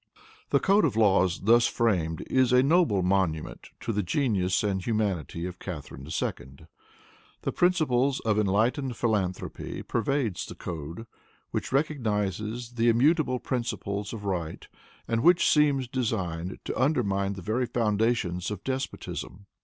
The code of laws thus framed is a noble monument to the genius and humanity of Catharine II. The principles of enlightened philanthropy pervades the code, which recognizes the immutable principles of right, and which seems designed to undermine the very foundations of despotism.